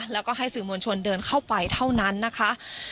แล้วก็ให้สื่อมวลชนเดินเข้าไปเท่านั้นนะคะ